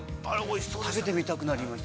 食べてみたくなりました。